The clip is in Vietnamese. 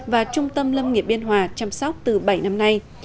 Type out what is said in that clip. và trung tâm lâm nghịa biên hòa chăm sóc từ bảy năm nay